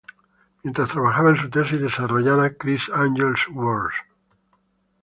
Mientras trabajaba en su tesis, desarrollada Chri´s Angel Wars.